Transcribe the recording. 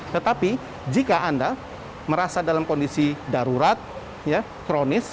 tetapi jika anda merasa dalam kondisi darurat kronis